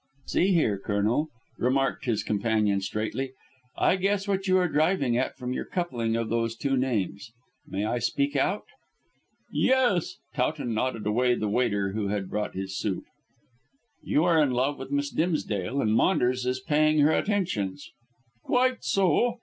"See here, Colonel," remarked his companion straightly; "I guess what you are driving at from your coupling of those names. May I speak out?" "Yes." Towton nodded away the waiter who had brought his soup. "You are in love with Miss Dimsdale, and Maunders is paying her attentions." "Quite so.